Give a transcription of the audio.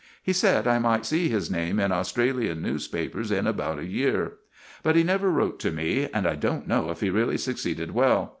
He said I might see his name in Australian papers in about a year. But he never wrote to me, and I don't know if he really succeeded well.